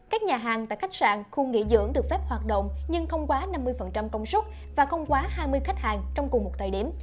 các nhà hàng tại khách sạn khu nghỉ dưỡng được phép hoạt động nhưng không quá năm mươi công suất và không quá hai mươi khách hàng trong cùng một thời điểm